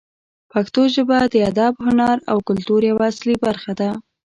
پښتو ژبه د ادب، هنر او کلتور یوه اصلي برخه ده.